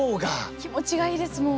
気持ちがいいですもん。